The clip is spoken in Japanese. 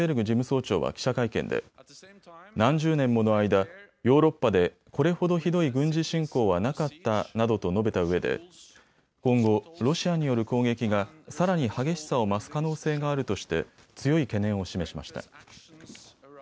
事務総長は記者会見で何十年もの間、ヨーロッパでこれほどひどい軍事侵攻はなかったなどと述べたうえで今後、ロシアによる攻撃がさらに激しさを増す可能性があるとして強い懸念を示しました。